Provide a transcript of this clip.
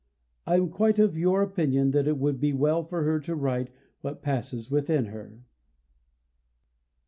I am quite of your opinion that it would be well for her to write what passes within her.